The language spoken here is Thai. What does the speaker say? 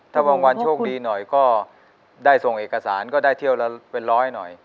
ถ้าบางวันโชคดีหน่อยก็ได้ส่งเอกสารก็ได้เที่ยวละเป็นร้อยหน่อย